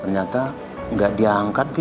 ternyata gak diangkat bi